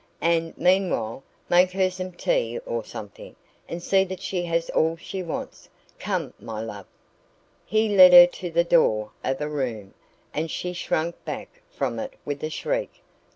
And meanwhile, make her some tea or something, and see that she has all she wants. Come, my love " He led her to the door of a room, and she shrank back from it with a shriek.